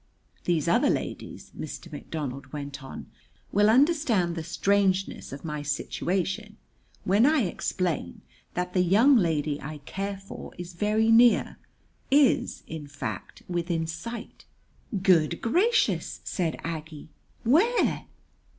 "These other ladies," Mr. McDonald went on, "will understand the strangeness of my situation when I explain that the the young lady I care for is very near; is, in fact, within sight." "Good gracious!" said Aggie. "Where?"